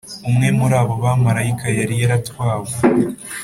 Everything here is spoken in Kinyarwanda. umwe muri abo bamarayika yari yaratwawe